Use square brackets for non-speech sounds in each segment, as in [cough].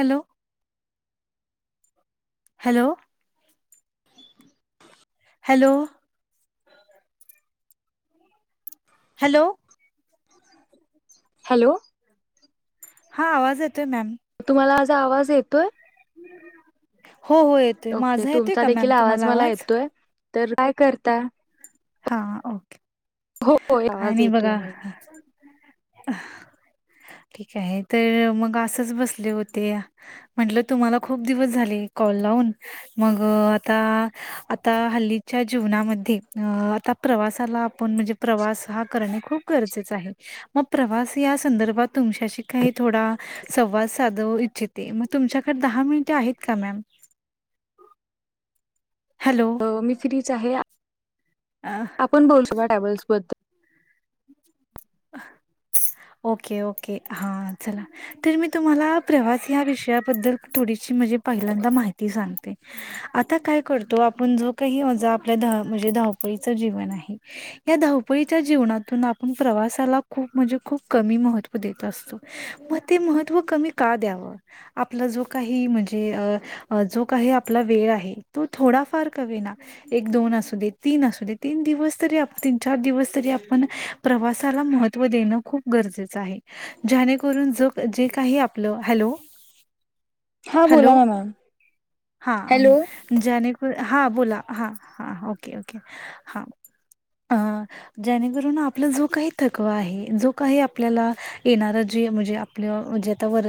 Hello. Hello. Hello. Hello. Hello. हा आवाज येतोय मॅम. तुम्हाला माजा आवाज येतोय? हो हो, ये ओके, तुमचा देखील आवाज मला येतोय. तर, काय करता? हा, ओके. हो हो काय आवाज नाही येतोय बघा. मला ठीक आहे. ते मग असंच बसले होते. म्हणलं, तुम्हाला खूप दिवस झाले, कॉल लावून. मग आता, आता हल्लीच्या जीवनामध्ये अ, आता प्रवासाला आपण म्हणजे प्रवास हा करणे खूप गरजेचं आहे. मग प्रवास या संदर्भात, तुमच्याशी काही थोडा संवाद साधू इच्छिते मग तुमच्याकडं दहा मिनिटं आहेत का मॅम? हॅलो! मी फ्रीच आहे अ. आपण बोल [unintelligible] बद्दल ओके ओके, हा, चला. तर मी तुम्हाला, प्रवास या विषयाबद्दल थोडीशी म्हणजे पहिल्यांदा माहिती सांगते. आता काय करतो आपण, जो काही रोजचं आपल्या म्हणजे धावपळीचं जीवन आहे, या धावपळीच्या जीवनातून आपण प्रवास त्याला खूप म्हणजे खूप कमी महत्त्व देत असतो. मग ते महत्त्व कमी का द्यावं? आपला जो काही म्हणजे अ अ जो काही आपला वेळ आहे, तो थोडाफार का होईना एक दोन असू दे, तीन असू दे, तीन दिवस तरी तीन चार दिवस तरी आपण प्रवास महत्व देणं खूप गरजेचं आहे. ज्याने करून जग जे काही आपलं, हॅलो! हा हॅलो, बोला ना मॅम हा हॅलो जाने कु हा बोला. हां हां, ओके, ओके हा. अं, जेणेकरून आपला जो काही थकवा आहे, जो काही आपल्याला येणारा, जे म्हणजे, आपलं म्हणजे, आता वर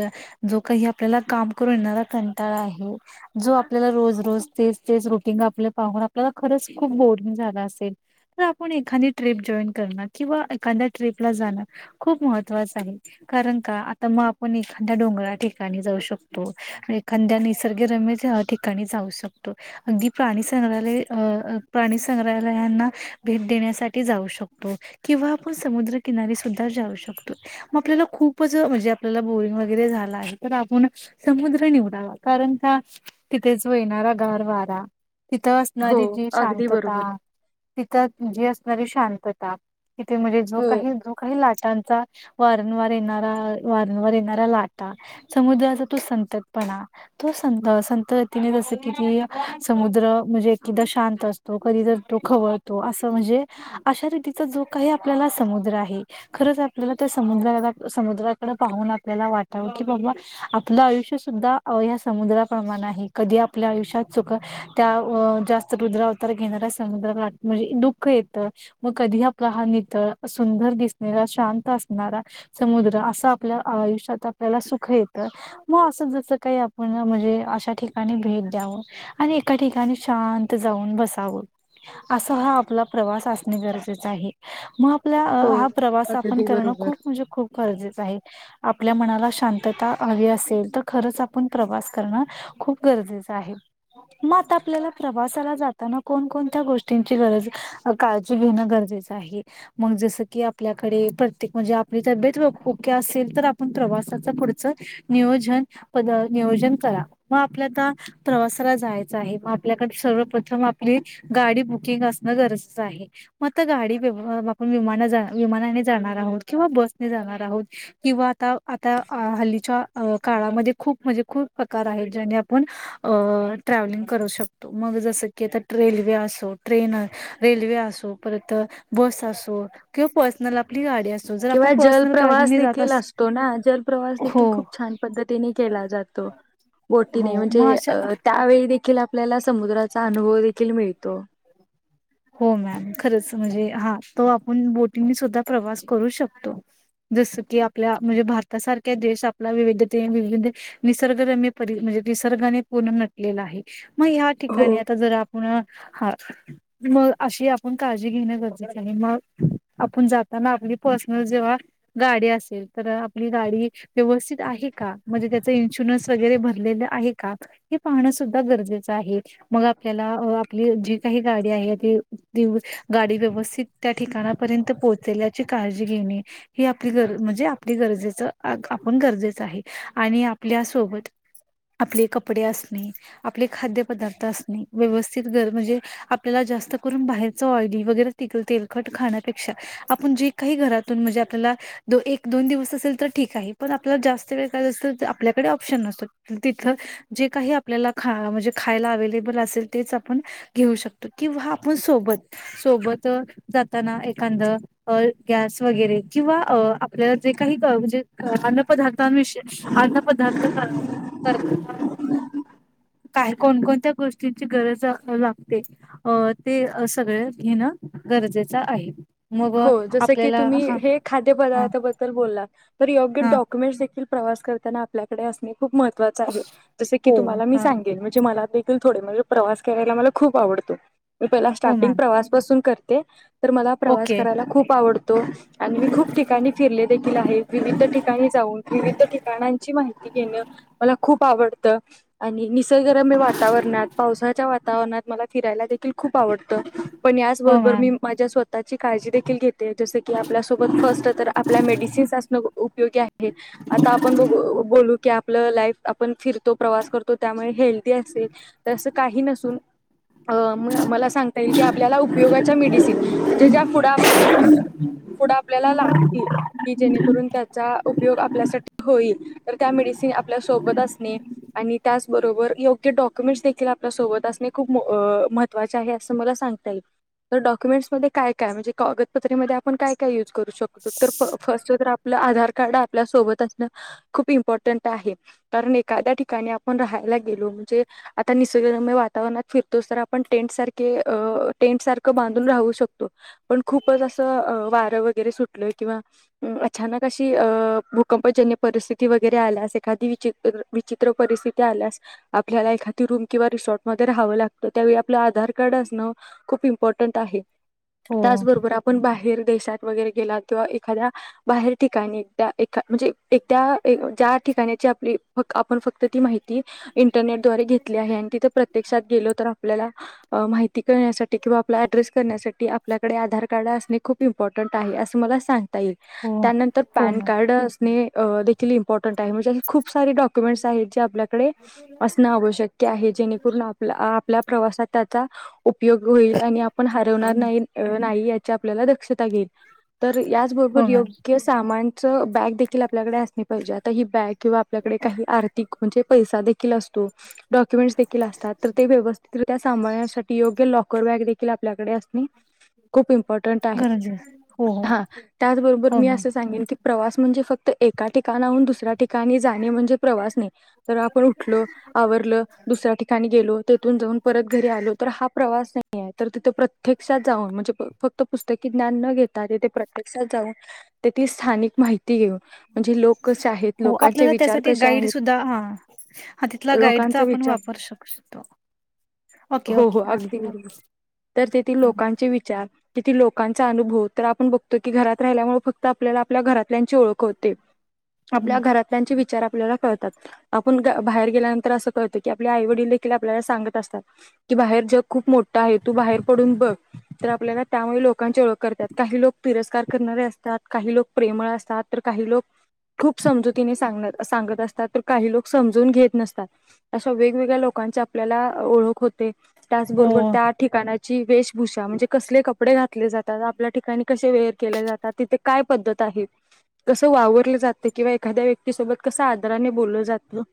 जो काही आपल्याला काम करून येणारा कंटाळा आहे, जो आपल्याला रोज रोज, तेच तेच रुटीन आपलं पाहून, आपल्याला खरंच खूप बोअरिंग झालं असेल तर आपण एखादी ट्रिप जॉईन करणं किंवा एखाद्या ट्रीपला जाणं खूप महत्वाचं आहे. कारण का आता मग आपण एखाद्या डोंगरा ठिकाणी जाऊ शकतो, एखाद्या निसर्गरम्य ठिकाणी जाऊ शकतो. अगदी प्राणी संग्रहालय अ प्राणी संग्रहालय यांना भेट देण्यासाठी जाऊ शकतो. किंवा आपण समुद्रकिनारी सुद्धा जाऊ शकतो. मग आपल्याला खूपच म्हणजे आपल्याला बोरिंग वगैरे झालं आहे तर आपण समुद्र निवडावा, कारण का तिथेच मिळणारा गार वारा, तिथं हो असणारी जी अगदी शांतता बरोबर तिथं जी असणारी शांतता तिथे म्हणजे जो हो काही, जो काही लाटांचा वारंवार येणारा, वारंवार येणाऱ्या लाटा, समुद्राचा तो संततपणा तो संत संतगतीने जसं की, की समुद्र म्हणजे एकदा शांत असतो. तो कधी तर तो खवळतो असं म्हणजे अशा रीतीचा जो काही आपल्याला समुद्र आहे, खरंच आपल्याला त्या समुद्राला, समुद्राकडे पाहून आपल्याला वाटावं की बाबा आपलं आयुष्य सुद्धा या समुद्राप्रमाणं आहे. कधी आपल्या आयुष्यात चुका त्या जास्त रुद्रावतार घेणाऱ्या समुद्रालाट म्हणजे दुःख येतं, मग कधी कहा नितळ सुंदर दिसणार शांत असणारा समुद्र असा आपल्या आयुष्यात आपल्याला सुख येतं. म असं जसं काही आपण म्हणजे अशा ठिकाणी भेट द्यावं. आणि एका ठिकाणी शांत जाऊन बसावं. असा हा आपला प्रवास असणे गरजेचं आहे. म आपला हो हा प्रवास आपण अगदी करणं बरोबर खूप म्हणजे खूप गरजेचं आहे. आपल्या मनाला शांतता हवी असेल तर खरंच आपण प्रवास करणं खूप गरजेचं आहे. म आता आपल्याला प्रवासाला जाताना कोणकोणत्या गोष्टींची गरज काळजी घेणं गरजेचं आहे. मग जसं की आपल्याकडे प्रत्येक म्हणजे आपली तब्येत ओके असेल तर आपण प्रवासाच पुढचं नियोजन पद नियोजन करा मग आपल्या आता प्रवासाला जायचं आहे म आपल्याकडे सर्वप्रथम आपली गाडी बुकिंग असणं गरजेचं आहे म आता गाडी विवा आपण विमान विमानाने जाणार आहोत किंवा बसने जाणार आहोत. किंवा आता आता हल्लीच्या अ काळामध्ये खूप म्हणजे खूप प्रकार आहेत ज्याने आपण अ ट्रॅव्हलिंग करू शकतो मग जस की आता रेल्वे असो ट्रेन रेल्वे असो परत बस असो किंवा पर्सनल आपली गाडी अस असो जर आपण किंवा पर्सनल जलप्रवास गाडीने जात देखील असतो ना जलप्रवास हो देखील खूप छान पद्धतीने केला जातो. हो बोटीने म्हणजे मग अशा अ त्यावेळी देखील आपल्याला समुद्राचा अनुभव देखील मिळतो. हो मॅम खरंच म्हणजे हा तो आपण बोटिने सुद्धा प्रवास करू शकतो. जसं की आपल्या म्हणजे भारतासारख्या देश आपला विविधते विविध निसर्ग रम्य परी म्हणजे निसर्गाने पुर्ण नट लेला आहे मग ह्या हो ठिकाणी आता जर आपण हा मग अशी आपण काळजी घेण गरजेचं आहे मग आपण जाताना आपली पर्सनल जेव्हा गाडी असेल तर आपली गाडी व्यवस्थित आहे का म्हणजे त्याच इन्शुरन्स वगैरे भरलेलं आहे का हे पाहणं सुद्धा गरजेचं आहे मग आपल्याला आपली जी काही गाडी आहे दिव दिव गाडी व्यवस्थित त्या ठिकाणापर्यंत पोहोचल्याची काळजी घेणे. हे आपली गर म्हणजे आपली गरजेचं आपण गरजेचं आहे आणि आपल्यासोबत आपले कपडे असणे. आपले खाद्य पदार्थ असणे व्यवस्थित गर म्हणजे आपल्याला जास्त त करून बाहेरच ऑइली वगैरे तिकल तेलकट खाण्यापेक्षा आपण जे काही घरातून म्हणजे आपल्याला दो एक दोन दिवस असेल तर ठीक आहे पण आपल्याला जास्त वेळ काय असेल तर आपल्याकडे ऑप्शन नसतो तिथलं जे काही आपल्याला खा म्हणजे खायला अवेलेबल असेल तेच आपण घेऊ शकतो किंवा पण सोबत सोबत जातना एखांद अअ गॅस वगैरे किंवा आपल्याला जे काही अ अन्न पदार्थांविष अन्न पदार्थ बाहेर कोणकोणत्या गोष्टींची गरज लागते अ ते अ सगळं घेणं गरजेचं आहे मग आपल्याला हा खाद्य हा पदार्थाबद्दल बोलला तर योग्य हा डॉक्युमेंट्स देखील प्रवास करताना आपल्याकडे असणे खूप महत्वाचं आहे जसं की हो तुम्हाला मी हा सांगेल म्हणजे मला ते थोड म्हणजे प्रवास करायला मला खूप आवडतो मी पहिला हो स्टार्टिंग मॅम प्रवास पासून करते- तर मला प्रवास ओके करायला खूप आवडतो. आणि मी खूप ठिकाणी फिरले देखील आहे, विविध ठिकाणी जाऊन, विविध ठिकाणांची माहिती घेणं मला खूप आवडतं. आणि निसर्गरम्य वातावरणात, पावसाच्या वातावरणात मला फिरायला देखील खूप आवडतं. पण हो याचबरोबर मॅम मी माझ्या स्वतःची काळजी देखील घेते, जसं की आपल्यासोबत फर्स्ट तर आपल्या मेडिसिन्स असण उपयोगी आहे. आता आपण बघु, बोलू की आप आपलं लाईफ आपण फिरतो प्रवास करतो, त्यामुळे हेल्दी असेलं त असं काही नसून अ मला सांगता येईल की आपल्याला उपयोगाच्या मेडिसिन म्हणजे ज्या पुढ आप, पुढं आपल्याला लागतील की जेणेकरून त्याचा उपयोग आपल्यासाठी होईल, तर त्या मेडिसिन आपल्या सोबत असणे आणि त्याचबरोबर योग्य डॉक्युमेंट्स देखील आपल्या सोबत असणे खूप अं मह त्त्वाचे आहे अस मला सगंता येईल, तर डॉक्युमेंट्स मध्ये काय काय म्हणजे कागदपत्रेमध्ये आपण काय काय यूज करू शकतो, तर फर्स्ट तर आपलं आधार कार्ड आप आपल्या सोबत असणं खूप इम्पॉर्टंट आहे. कारण एखाद्या ठिकाणी आपण राहायला गेलो म्हणजे आता निसर्गरम्य वातावरणात फिरतोच, तर आपण टेंट सारखे, टेंट सारखं बांधून राहू शकतो. पण खूपचं असं अं वारं वगैरे सुटलंय किंवा अचानक अशी अशी अं भूकंपजन्य परिस्थिती वगैरे आल्या असेल एखादी विचित, विचित्र परिस्थिती आल्यास आपल्याला एखादी ती, रूम किंवा रिसॉर्ट मध्ये राहावं लागतं त्यावेळी आपलं आधार कार्ड असणं खूप इम्पॉर्टंट आहे. हो त्याचबरोबर आपण बाहेर देशात वगैरे गेलात किंवा एखाद्या बाहेर ठिकाणी एकट्या एखाद्या म्हणजे एकट्या ज्या ठिकाण्याची आपली आपण फक्त ती माहि ती इंटरनेटद्वारे घेत ली आहे, आणि तिथं प्रत्यक्षात गेलो तर आपल्याला अं माहिती कळण्यासाठी किंवा आपला एड्रेस कळण्यासाठी साठी आपल्याकडे आधार कार्ड असणे खूप इम्पॉर्टंटं आहे, असं मला सांग ता येईल हो त्यानंतर हो पॅन मॅम कार्ड असने अं देखीलं इम्पॉर्टंटं आहे, म्हणजे खूप सारे डॉक्यु डॉक्युमेंट्स साईडचे आपल्याकडे आसणे आवशक्य आहे जेणे करुन आपल्या आप आपल्या प्रवासात त्याचा उपयोग होईल, आणि आपण हरवणार हो अं नाही याची आपल्याला दक्षता घेईलं तर याचं बरोबर हो मॅम योग्य स सामान च बॅग देख देखील आपल्याकडे असली पाहिजे, आता ही बॅग किंवा आपल्याकडे काही आर्थिक म्हणजे पैसा देखील असतो डॉक्युमेंट्स देखील असतात, तर ते व्यवस्थितरित्या सांभाळण्यासाठी योग्य लॉकर बॅग देखील आपल्याकडे असणे खूप इम्पॉर्टंट आहे गरजे हो हो हा, त्याचबरोबर हो मी मॅम असं सांगेन की प्रवास म्हणजे फक्त एका ठिकाणाहून दुसऱ्या ठिकाणी जाणे म्हणजे प्रवास नाही. तर आपण उठलो आवरलं दुसऱ्या ठिकाणी गेलो तेथून जाऊन परत घरी आलो, तर हा प्रवास नाही आहे तर तिथे प्रत्य प्रत्यक्षात जाऊन म्हणजे फक्त पुस्तकी ज्ञान न घेता तेथे प्रत्यक्षात जाऊन तेथिलं स्थानिक माहिती घेऊन म्हणजे लोक कसे आहेत हो लोकांचे आपल्याला विचार त्यासाठी कसे गाईड आहेत सुद्धा हा, हा तिथंला गाईडचा लोकांचा आपण विचार वापर शक शकतो ओके, हो हो ओके हा अगदी बरोबर तर तेथील लोकांचे विचार किती लोकांचा अनुभव तर आपण बघतो की घरात राहिल्यामुळे फक्त आपल्याला आपल्या घरातल्यांची ओळख होते. [inaudible] आपल्या घरातल्यांचे विचार आपल्याला कळतात. आपण गा बाहेर गेल्यानंतर असं कळतं की आपले आई वडील देखील आपल्याला सांगत असतात. की बाहेर जग खूप मोठ आहे, तू बाहेर पडून बघ. तर आपल्याला त्यामुळे लोकांची ओळख करतात. काही लोक तिरस्कार करणारे असतात, काही लोक प्रेमळ असतात. तर काही लोक खूप समजुतीने सांग सांगत असतात तर काही लोक समजून घेत नसतात. अशा वेगवेगळ्या लोकांची आपल्याला ओळख होते. हो त्याचबरोबर त्या ठिकाणा ची वेशभूषा, म्हणजे कसले कपडे घातले जातात? आपल्या ठिकाणी कसे वेअर केले जातात? तिथे काय पद्धत आहे? कसं वावरलं जातं किंवा एखाद्या व्यक्तीसोबत कसं आदराने बोललं जातं,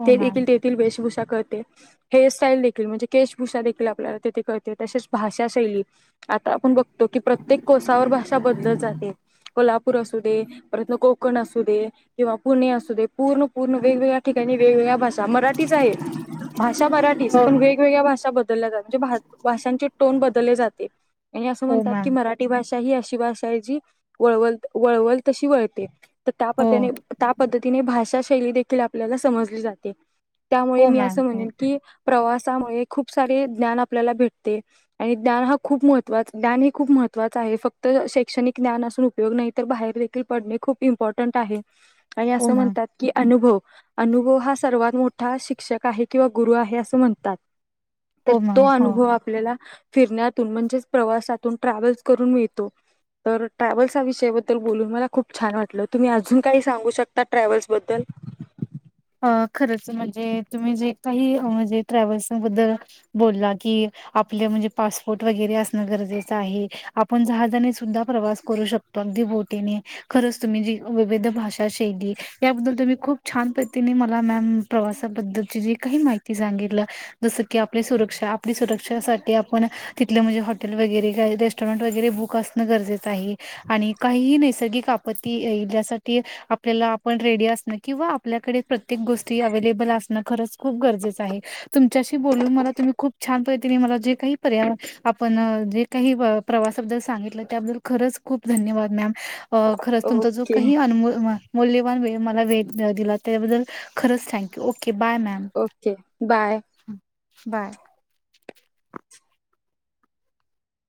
हो ते मॅम देखील तेथील वेशभूषा कळते. हेअरस्टाईल देखील म्हणजे केशभूषा देखील आपल्याला तेथे कळते. तसेच भाषा शैली, आता आपण बघतो की प्रत्येक कोसावर भाषा बदलत जाते. कोल्हापूर असू दे परत न कोकण असू दे. किंवा पुणे असू दे. पूर्ण पूर्ण वेगवेगळ्या ठिकाणी वेगवेगळ्या भाषा मराठीच आहे, भाषा मराठीच. हो पण वेगवेगळ्या भाषा बदलल्या जात म्हणजे भाषांचे टोन बदलले जाते. म्ह अस हो म्हणतात की मॅम मराठी ठी भाषा ही अशी भाषा आहे जी वळवल वळवल तशी वळते. तर त्या हो पद्धतीने त्या पद्धतीने भाषा शैली देखील आपल्याला समजली जाते. त्यामुळे हो मी मॅम असं हो म्हणेन की, प्रवासामुळे खूप सारे ज्ञान आपल्याला भेटते. आणि ज्ञान हा खूप महत्वा ज्ञान ह खूप महत्वाच आहे. फक्त शैक्षणिक ज्ञान असून पयोग नाही. तर बाहेर देखील पडणे खूप इम्पॉर्टंट आहे. आणि हो असं मॅम म्हणतात की अनुभव अनुभव हा सर्वात मोठा शिक्षक आहे किंवा गुरु आहे असं म्हणतात. तर हो तो मॅम हो अनुभव आपल्याला फिरण्यातून म्हणजेच प्रवासातून ट्रॅव्हल्स करून मिळतो. तर ट्रॅव्हल्स हा विषयाबद्दल बोलून मला खूप छान वाटलं. तुम्ही अजून काही सांगू शकता ट्रॅव्हल्स बद्दल? अ खरंच म्हणजे तुम्ही जे काही म्हणजे ट्रॅव्हल्स बद्दल बोलला की, आपले म्हणजे पासपोर्ट वगैरे असणं गरजेचं आहे. आपण जहाजणी सुद्धा प्रवास करू शकतो. अगदी बोटीने, खरंच तुम्ही जी विविध भाषा शैली याबद्दल तुम्ही खूप छान तिने मला मॅम प्रवासाबद्दलची जी काही माहिती सांगितलं जसं की आपली सुरक्षा. आपली सुरक्षेसाठी आपण तिथलं म्हणजे हॉटेल वगैरे काय रेस्टॉरंट वगैरे बुक असणं गरजेचं आहे. आणि काहीही नैसर्गिक आपत्ती येइल यासाठी आपल्याला आपण रेडी असणं, किंवा आपल्याकडे प्रत्येक गोष्टी अवेलेबल असणं खरच खूप गरजेचं आहे. तुमच्याशी बोलून मला तुम्ही खूप छान पद्धतीने मला जे काही पर्यायवर आपण जे काही प्रवासाबद्दल सांगितलं, त्याबद्दल खरंच खूप धन्यवाद मॅम! अ खरंच तुमचा जो ओके काही अन मूल्यवान वेळ मला वेळ दिला त्याबद्दल खरंच thank you. Okay, bye ma'am. Okay bye bye